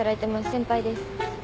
先輩です。